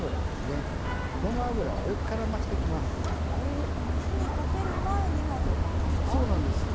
え火にかける前に混ぜるんですか？